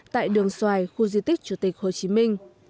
tại đường xoài khu di tích chủ tịch hồ chí minh